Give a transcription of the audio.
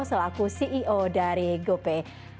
selaku ceo dari gope